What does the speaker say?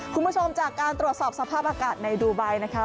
คุณผู้ชมจากการตรวจสอบสภาพอากาศในดูไบนะคะ